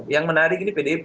yang menarik ini pdp